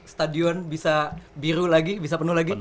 stadion bisa biru lagi bisa penuh lagi